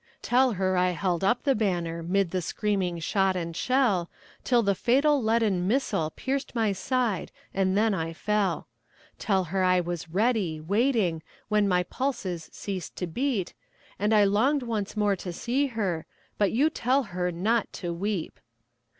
Tell her I held up the banner 'Mid the screaming shot and shell, Till the fatal leaden missile Pierced my side, and then I fell. Tell her I was ready, waiting, When my pulses ceased to beat, And I longed once more to see her But you tell her not to weep.